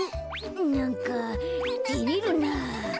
なんかてれるなぁ。